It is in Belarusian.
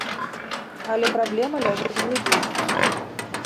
Але праблема ляжыць глыбей.